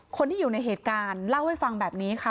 คนที่อยู่ในเหตุการณ์เล่าให้ฟังแบบนี้ค่ะ